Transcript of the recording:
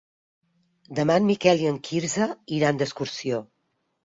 Demà en Miquel i en Quirze iran d'excursió.